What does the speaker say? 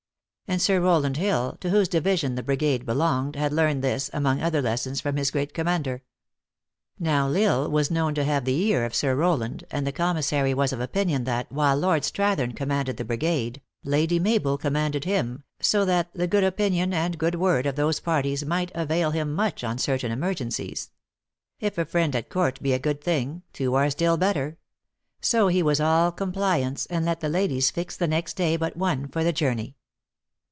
And Sir Rowland Hill, to whose division the brigade belonged, had learned this, among other les sons, from his great commander. Now L Isle was known to have the ear of Sir Rowland, and the com missary was of opinion that, while Lord Strathern commanded the brigade, Lady Mabel commanded him, so that the good opinion and good word of those parties might avail him much on certain emergen cies. If a friend at court be a good thing, two are still better ; so he was all compliance, and let the ladies fix the next day but one for the journey.